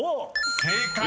［正解！